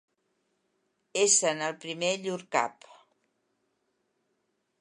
Essent el primer llur cap.